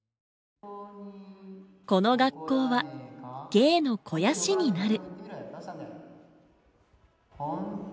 この学校は芸の肥やしになる。